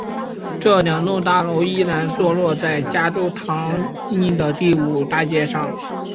这两栋公寓依然坐落在加州唐尼的第五大街上。